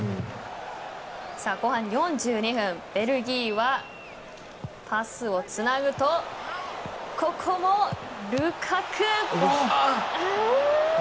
さあ後半４２分、ベルギーはパスをつなぐとここもルカク。